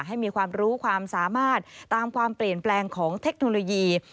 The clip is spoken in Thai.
ให้มีความรู้ความสามารถตามความเปลี่ยนแปลงของเทคโนโลยี